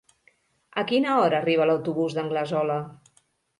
A quina hora arriba l'autobús d'Anglesola?